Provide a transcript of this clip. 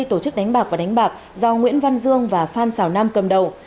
tổ chức đánh bạc và đánh bạc do nguyễn văn dương và phan xào nam cầm đầu